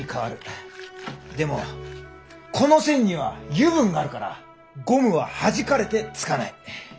でもこの線には油分があるからゴムははじかれてつかない。